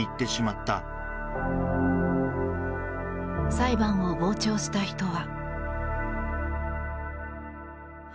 裁判を傍聴した人は。